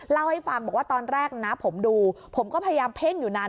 เล่าให้ฟังบอกว่าตอนแรกนะผมดูผมก็พยายามเพ่งอยู่นาน